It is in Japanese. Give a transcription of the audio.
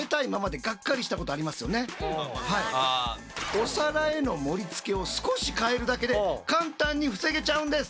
お皿への盛りつけを少し変えるだけで簡単に防げちゃうんです。